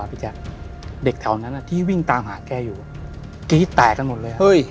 พี่แจ๊ะเด็กแถวนั้นอ่ะที่วิ่งตามหาแกอยู่เกรียดแตกกันหมดเลยอ่ะเฮ้ย